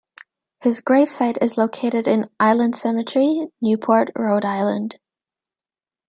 His grave site is located in Island Cemetery, Newport, Rhode Island.